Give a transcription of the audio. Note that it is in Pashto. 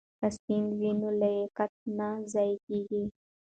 که سند وي نو لیاقت نه ضایع کیږي.